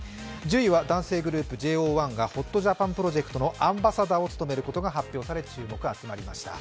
１０位は男性グループ、ＪＯ１がＨＯＴＪＡＰＡＮプロジェクトのアンバサダーを務めることが発表され注目が集まりました。